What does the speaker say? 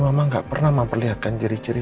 mama gak pernah memperlihatkan jiri jiri